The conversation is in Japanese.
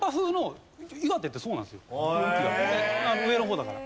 上の方だから。